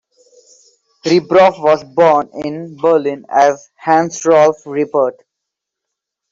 Rebroff was born in Berlin as Hans-Rolf Rippert.